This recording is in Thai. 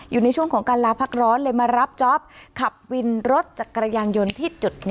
อยู่ในช่วงของการลาพักร้อนเลยมารับจ๊อปขับวินรถจักรยานยนต์ที่จุด๑